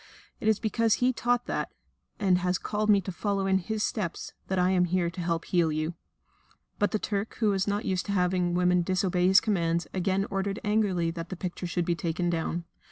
It is because He taught that, and has called me to follow in His steps, that I am here to help to heal you." But the Turk, who was not used to having women disobey his commands, again ordered angrily that the picture should be taken down.